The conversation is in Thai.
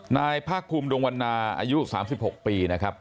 นายภาคภูมิดวงวันนาอายุ๓๖ปีนะครับ